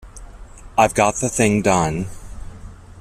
I've got the thing done.